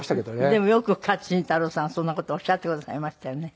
でもよく勝新太郎さんはそんな事をおっしゃってくださいましたよね。